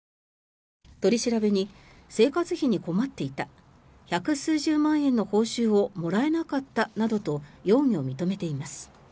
取り調べに生活費に困っていた１００数十万円の報酬をもらえなかったなどと容疑を認めています。